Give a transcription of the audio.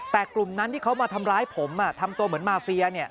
แต่กลุ่มนั้นที่เขามาทำร้ายผมทำตัวเหมือนมาเฟีย